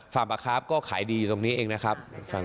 ฟาร์มประคับก็ขายดีอยู่ตรงนี้เองนะครับ